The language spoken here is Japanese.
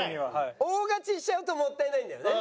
大勝ちしちゃうともったいないんだよね。